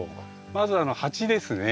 まず鉢ですね。